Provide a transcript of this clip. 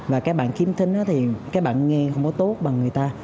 và các bạn khiếm thính thì các bạn nghe không có tốt bằng người ta